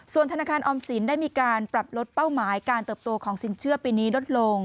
ส่วนธนาคารออมสินได้มีการปรับลดเป้าหมายการเติบโตของสินเชื่อปีนี้ลดลง